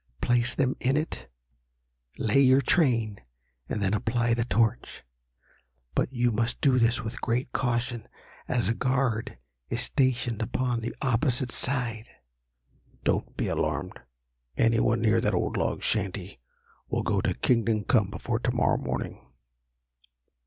Place them in it, lay your train, and then apply the torch. But you must do this with great caution, as a guard is stationed upon the opposite side." "Don't be alarmed. Any one near that old log shanty will go to kingdom come before to morrow morning."